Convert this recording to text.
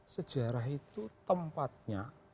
sejarah itu tempatnya